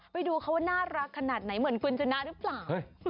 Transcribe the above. ไปดูเขาว่าน่ารักขนาดไหนเหมือนคุณชนะหรือเปล่า